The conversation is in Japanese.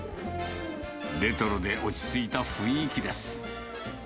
レトロで落ち着いた雰囲気です。